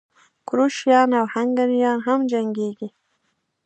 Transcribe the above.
کروشیایان او هنګریایان هم جنګېږي.